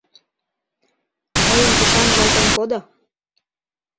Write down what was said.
— Мыйым тышан волтен кодо.